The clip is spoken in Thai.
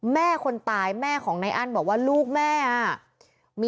แม่คนตายแม่ของนายอั้นบอกว่าลูกแม่อ่ะ